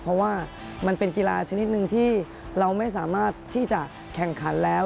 เพราะว่ามันเป็นกีฬาชนิดหนึ่งที่เราไม่สามารถที่จะแข่งขันแล้ว